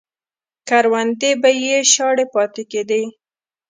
کروندې به یې شاړې پاتې کېدې.